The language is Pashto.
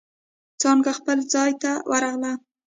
څانگه خپل ځای ته ورغله.